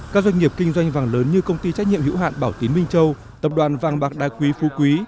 các doanh nghiệp kinh doanh vàng lớn như công ty trách nhiệm hữu hạn bảo tín minh châu tập đoàn vàng bạc đa quý phú quý